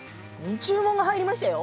注文が入りましたよ！